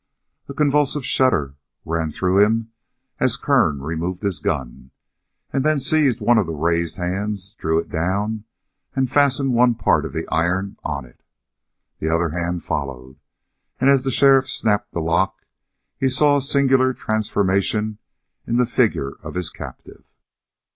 A convulsive shudder ran through him as Kern removed his gun and then seized one of the raised hands, drew it down, and fastened one part of the iron on it. The other hand followed, and, as the sheriff snapped the lock, he saw a singular transformation in the figure of his captive.